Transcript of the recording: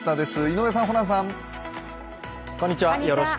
井上さん、ホランさん。